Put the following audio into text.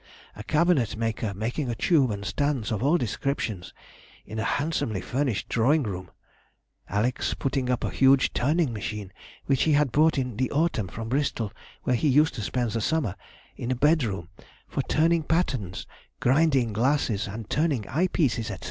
A cabinet maker making a tube and stands of all descriptions in a handsomely furnished drawing room; Alex putting up a huge turning machine (which he had brought in the autumn from Bristol, where he used to spend the summer) in a bedroom, for turning patterns, grinding glasses, and turning eye pieces, &c.